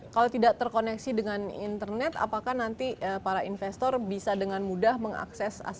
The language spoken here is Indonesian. kalau tidak terkoneksi dengan internet apakah nanti para investor bisa dengan mudah mengakses